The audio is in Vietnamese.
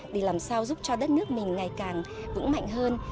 để làm sao giúp cho đất nước mình ngày càng vững mạnh hơn